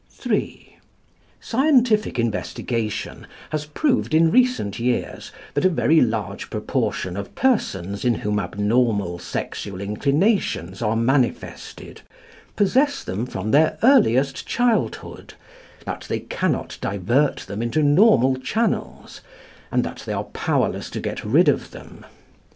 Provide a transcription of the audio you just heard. III. Scientific investigation has proved in recent years that a very large proportion of persons in whom abnormal sexual inclinations are manifested possess them from their earliest childhood, that they cannot divert them into normal channels, and that they are powerless to get rid of them.